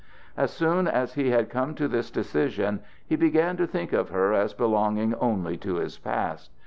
As soon as he had come to this decision, he began to think of her as belonging only to his past.